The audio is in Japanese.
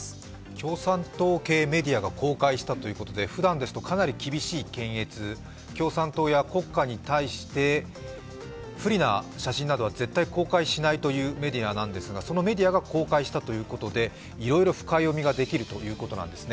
共産党系メディアが公開したということで、ふだんですとかなり厳しい検閲、共産党や国家に対して、不利な写真などは絶対に公開しないメディアなんですがそのメディアが公開したということで、いろいろ深読みができるということなんですね。